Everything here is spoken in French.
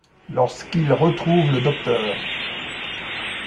Lorsqu'ils retrouvent le Dr.